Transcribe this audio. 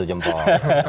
ya satu jempol